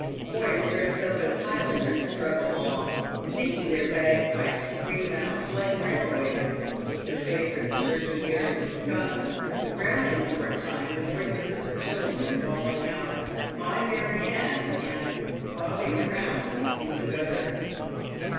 Boys dressed up as Highlanders strut along, making their bagpipes scream out, like railway whistles, the favourite jerky airs of Scotland, drowning for a time the voices of the children bawling out " My Mary Ann" and " Bobbing Around" in the gutter.